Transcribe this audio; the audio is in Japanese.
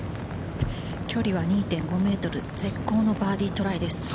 距離は２．５ｍ、絶好のバーディートライです。